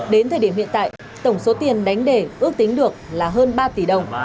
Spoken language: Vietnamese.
đến thời điểm hiện tại tổng số tiền đánh để ước tính được là hơn ba tỷ đồng